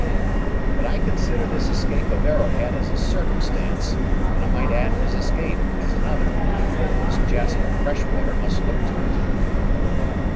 "But I consider this capture of Arrowhead as a circumstance; and I might add his escape as another. This Jasper Freshwater must look to it."